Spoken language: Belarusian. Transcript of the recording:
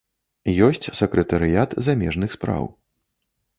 Ёсць сакратарыят замежных спраў.